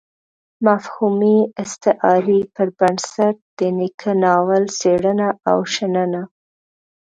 مفهومي استعارې پر بنسټ د نيکه ناول څېړنه او شننه.